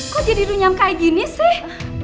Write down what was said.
kok jadi runyam kayak gini sih